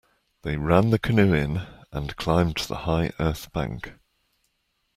They ran the canoe in and climbed the high earth bank.